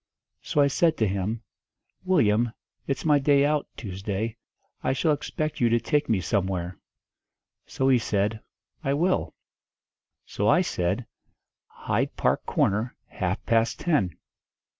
So I said to him, 'Willyum, it's my day out, Tuesday. I shall expect you to take me somewhere.' So he said, 'I will.' So I said, 'Hyde Park Corner, half past ten.'